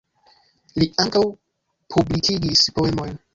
Li ankaŭ publikigis poemojn.